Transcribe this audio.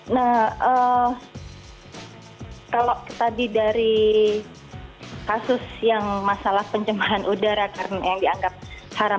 nah kalau tadi dari kasus yang masalah pencemahan udara karena yang dianggap haram